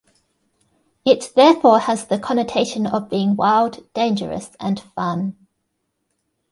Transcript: It therefore has the connotation of being wild, dangerous, and fun.